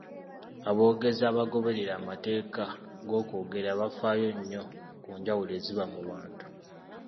Aboogezi abagoberera amateeka g’okwogera bafaayo nnyo ku njawulo eziba mu bantu.